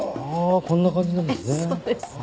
こんな感じなんですね。